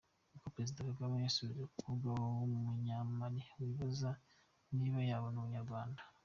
Uko Perezida Kagame yasubije umukobwa w’ Umunya Mali wibaza niba yabona Ubunyarwanda .